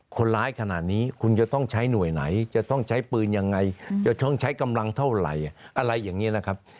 คนร้ายขนาดนี้คุณจะต้องใช้หน่วยไหนจะต้องใช้ปืนยังไงจะต้องใช้กำลังเท่าไหร่อะไรอย่างนี้นะครับ